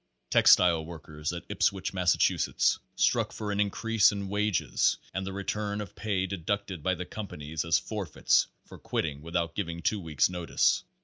Textile workers at Ipswich, Massachusetts, struck for an increase in wages and the return of pay deducted by the companies as forfeits for quitting without giv ing two weeks' notice.